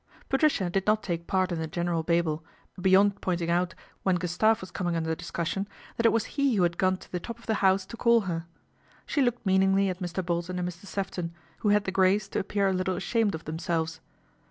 Patricia did not take part in the general babel, beyond pointing out, when Gustave was coming under discussion, that it was he who had gone to the top of the house to call her. She looked meaningly at Mr. Bolton and Mr. Sefton, who had the grace to appear a little ashamed of themselves.